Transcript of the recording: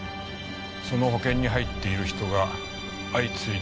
その保険に入っている人が相次いで事故死。